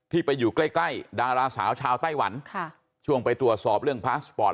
ไปอยู่ใกล้ใกล้ดาราสาวชาวไต้หวันค่ะช่วงไปตรวจสอบเรื่องพาสปอร์ต